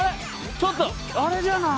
ちょっとあれじゃない？